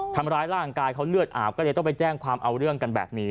ทำร้ายร่างกายเขาเลือดอาบก็เลยต้องไปแจ้งความเอาเรื่องกันแบบนี้